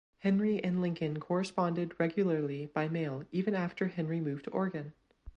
Henry and Lincoln corresponded regularly by mail even after Henry moved to Oregon.